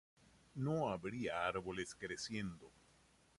No habría árboles creciendo.